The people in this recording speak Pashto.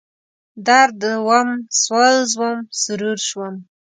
درد وم، سوز ومه، سرور شوم